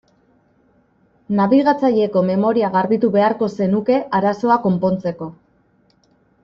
Nabigatzaileko memoria garbitu beharko zenuke arazoa konpontzeko.